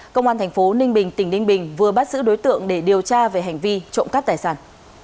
công an thành phố ninh bình tỉnh ninh bình vừa bắt giữ đối tượng để điều tra về hành vi trộm cắp tài sản